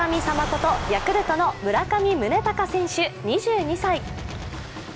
ことヤクルトの村上宗隆選手２２歳。